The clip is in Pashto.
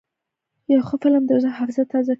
یو ښه فلم د زړه حافظه تازه کوي.